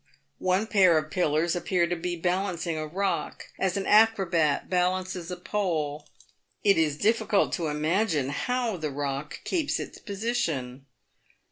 One pair of pillars appear to be balancing a rock, as an acrobat balances a pole. It is difficult to imagine how the rock keeps its position.